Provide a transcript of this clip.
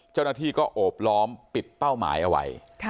เจ้าหน้าที่ก็โอบล้อมปิดเป้าหมายเอาไว้